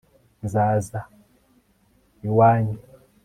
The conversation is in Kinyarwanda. nzaza iwanyu